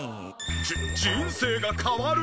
じ人生が変わる！？